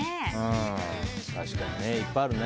確かに、いっぱいあるね。